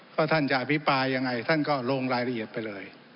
ท่านจะอภิปรายยังไงท่านก็ลงรายละเอียดไปเลย